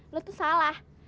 lu tuh salah